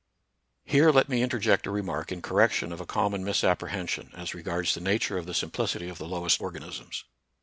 Here let me interject a remark in correction of a common misapprehension as regards the nature of the simplicity of the lowest organisms.